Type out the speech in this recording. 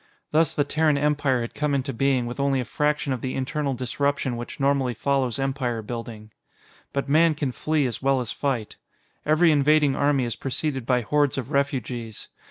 Thus the Terran Empire had come into being with only a fraction of the internal disruption which normally follows empire building. But Man can flee as well as fight. Every invading army is preceded by hordes of refugees.